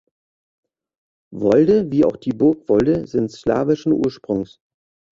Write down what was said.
Wolde wie auch die Burg Wolde sind slawischen Ursprungs.